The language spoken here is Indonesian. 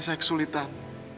ini saya kesulitan